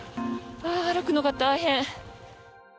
歩くのが大変。